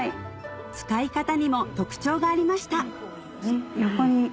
使い方にも特徴がありました横に。